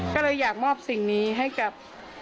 ก็เลยอยากมอบสิ่งนี้ให้กับ